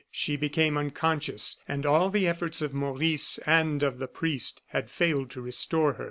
She became unconscious, and all the efforts of Maurice and of the priest had failed to restore her.